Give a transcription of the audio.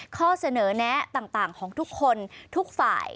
ข้อเสนอแนะต่างของทุกคนทุกฝ่าย